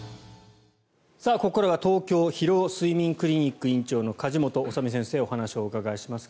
ここからは東京疲労・睡眠クリニック院長の梶本修身先生にお話をお伺いします。